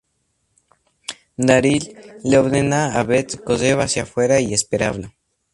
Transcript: Daryl le ordena a Beth correr hacia afuera y esperarlo.